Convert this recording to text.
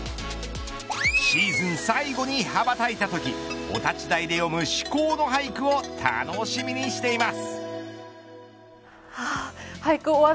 シーズン最後に羽ばたいたときお立ち台で詠む至高の俳句を楽しみにしています。